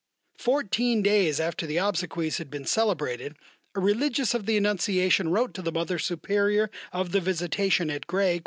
Fourteen days after the obsequies had been celebrated a religious of the Annunciation wrote to the Mother Superior of the Visitation at Gray.